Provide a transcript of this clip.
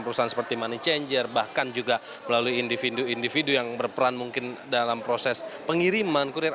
perusahaan seperti money changer bahkan juga melalui individu individu yang berperan mungkin dalam proses pengiriman kurir